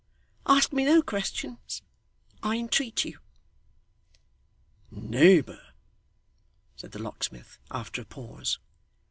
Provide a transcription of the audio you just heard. Ask me no questions, I entreat you.' 'Neighbour,' said the locksmith, after a pause.